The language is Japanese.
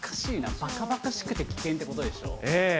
ばかばかしくて危険ってことでしょ。